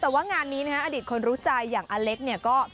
แต่ว่างานนี้นะฮะอดีตคนรู้ใจอย่างอเล็กเนี่ยก็